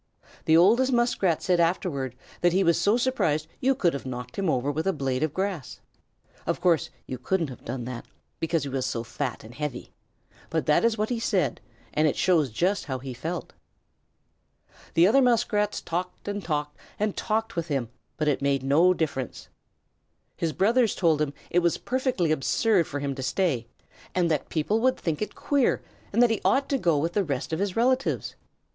The oldest Muskrat said afterward that he was so surprised you could have knocked him over with a blade of grass. Of course, you couldn't have done it, because he was so fat and heavy, but that is what he said, and it shows just how he felt. The other Muskrats talked and talked and talked with him, but it made no difference. His brothers told him it was perfectly absurd for him to stay, that people would think it queer, and that he ought to go with the rest of his relatives.